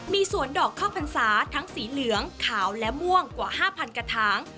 มีสวนดอกข้าวพรรษาทั้งสีเหลืองขาวและม่วงกว่า๕๐๐กระถาง